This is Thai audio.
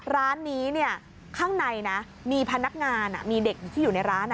ร้านนี้ข้างในนะมีพนักงานมีเด็กที่อยู่ในร้าน